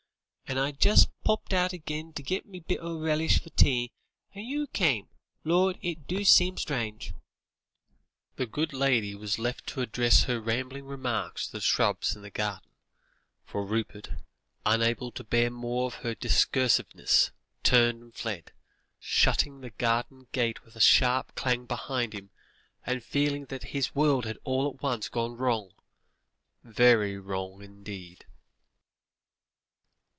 And I just popped out agin to git me bit o' relish for tea, and you come; lor', it do seem strange." The good lady was left to address her rambling remarks to the shrubs in the garden, for Rupert, unable to bear more of her discursiveness, turned and fled, shutting the garden gate with a sharp clang behind him, and feeling that his world had all at once gone wrong, very wrong indeed.